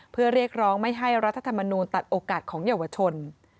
เพื่อเรียกร้องไม่ให้รัฐธรรมนูลตัดโอกาสของเยาวชน